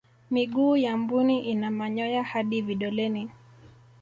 miguu ya mbuni ina manyoya hadi vidoleni